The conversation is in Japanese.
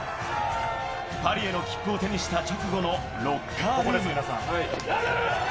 パリへの切符を手にした直後のロッカールーム。